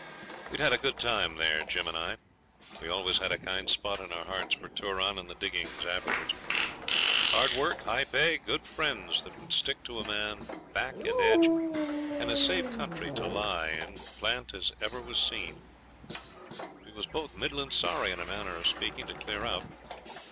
We'd had a good time there, Jim and I. We always had a kind spot in our hearts for Turon and the diggings afterwards. Hard work, high pay, good friends that would stick to a man back and edge, and a safe country to lie in plant in as ever was seen. We was both middlin' sorry, in a manner of speaking, to clear out.